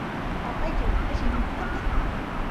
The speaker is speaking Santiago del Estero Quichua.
waqaychay alli mikunata